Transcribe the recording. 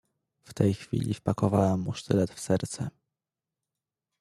"W tej chwili wpakowałem mu sztylet w serce."